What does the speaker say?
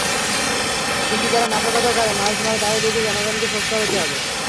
কিন্তু যারা নাশকতা করে, মানুষ মারে, তাদের বিরুদ্ধে জনগণকে সোচ্চার হতে হবে।